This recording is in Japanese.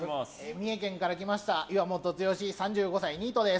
三重県から来ました岩本剛、３５歳、ニートです。